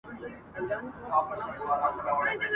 ورځ دي په اوښکو شپه دي ناښاده ..